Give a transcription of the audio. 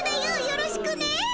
よろしくね。